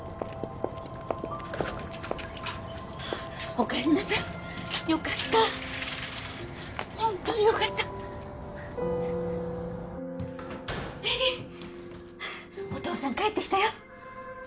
お帰りなさいよかったホントによかった恵里お父さん帰ってきたよ